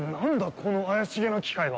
この怪しげな機械は。